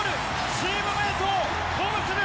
チームメートを鼓舞する！